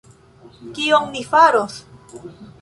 Kion ni faros?!